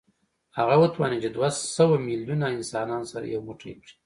هغه وتوانېد چې دوه سوه میلیونه انسانان سره یو موټی کړي